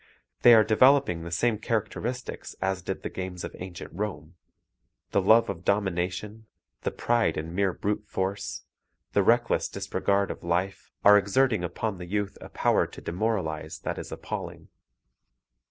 They are developing the same characteristics as did the games of ancient Rome. The love of domination, the pride in mere brute force, the reckless disregard of life, are exerting upon the youth a power to demoralize that is appalling.